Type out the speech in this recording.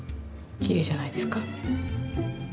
きれいじゃないですか？